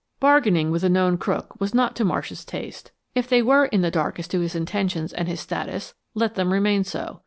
Bargaining with a known crook was not to Marsh's taste. If they were in the dark as to his intentions and his status, let them remain so.